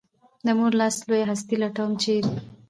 د مور لاس لویه هستي لټوم ، چېرې؟